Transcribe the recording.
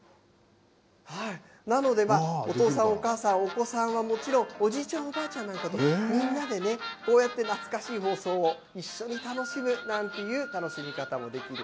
なので、お父さん、お母さん、お子さんはもちろん、おじいちゃん、おばあちゃんなんかとみんなでね、こうやって懐かしい放送を一緒に楽しむなんていう楽しみ方もできる。